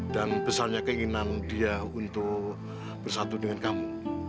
dan besarnya keinginan dia untuk bersatu dengan kamu